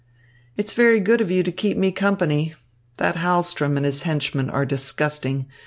"It's very good of you to keep me company. That Hahlström and his henchman are disgusting.